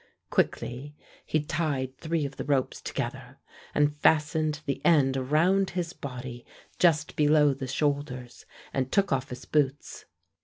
Quickly he tied three of the ropes together, and fastened the end round his body just below the shoulders, and took off his boots.